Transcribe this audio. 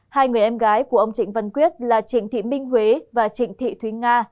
hai người em gái của ông trịnh văn quyết là trịnh thị minh huế và trịnh thị thúy nga